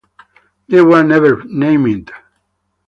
They were never named.